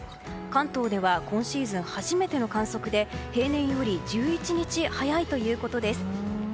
関東では今シーズン初めての観測で平年より１１日早いということです。